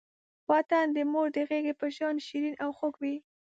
وطن د مور د غېږې په شان شیرین او خوږ وی.